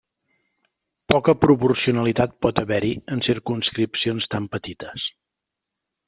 Poca proporcionalitat pot haver-hi en circumscripcions tan petites.